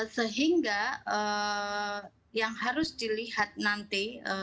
sehingga yang harus dilihat nanti